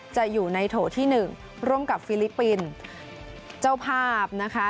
จะอยู่ในโถที่หนึ่งร่วมกับฟิลิปปินส์เจ้าภาพนะคะ